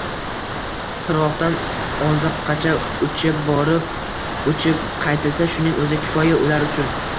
Qirg‘oqdan oziqqacha uchib borib uchib qaytilsa — shuning o‘zi kifoya ular uchun.